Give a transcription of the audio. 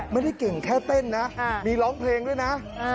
ไม่ได้เก่งแค่เต้นนะมีร้องเพลงด้วยนะ